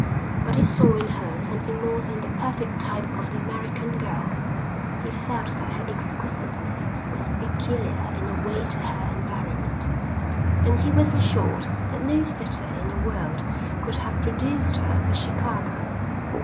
But he saw in her something more than the perfect type of the American girl, he felt that her exquisiteness was peculiar in a way to her environment, and he was assured that no city in the world could have produced her but Chicago.